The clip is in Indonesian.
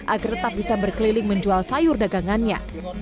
agar tetap bisa berkeliling menjual sayur dagangannya